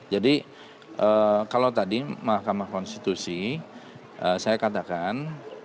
jadi kalau tadi mk saya katakan